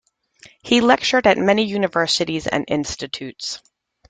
He lectured at many universities and institutes.